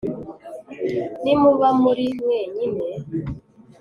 nimuba muri mwenyine